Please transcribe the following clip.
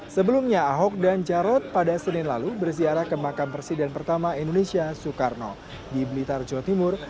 sebelumnya ahok dan jarot pada senin lalu berziarah ke makam presiden pertama indonesia soekarno di blitar jawa timur